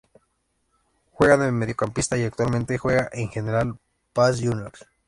Juega de mediocampista y actualmente juega en General Paz Juniors.